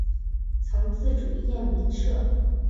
曾自组燕鸣社。